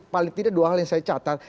paling tidak dua hal yang saya catat